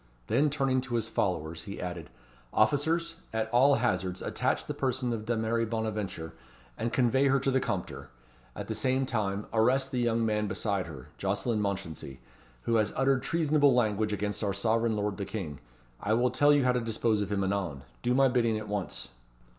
Then turning to his followers, he added "Officers, at all hazards, attach the person of Dameris Bonaventure, and convey her to the Compter. At the same time, arrest the young man beside her Jocelyn Mounchensey, who has uttered treasonable language against our sovereign lord the King. I will tell you how to dispose of him anon. Do my bidding at once."